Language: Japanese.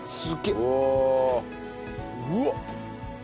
うわっ！